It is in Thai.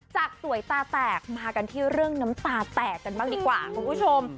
จากสวยตาแตกมากันที่เรื่องน้ำตาแตกกันบ้างดีกว่าคุณผู้ชม